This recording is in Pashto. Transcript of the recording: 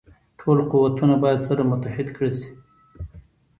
ټول قوتونه باید سره متحد کړه شي.